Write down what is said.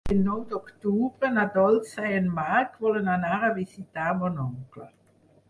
El nou d'octubre na Dolça i en Marc volen anar a visitar mon oncle.